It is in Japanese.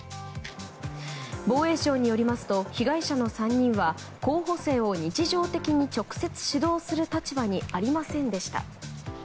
防衛省によりますと被害者の３人は、候補生を日常的に直接指導する立場にありませんでした。